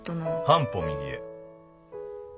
半歩右へ。